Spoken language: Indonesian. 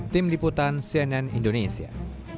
tim liputan cnn indonesia